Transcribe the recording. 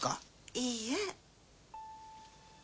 いいえ。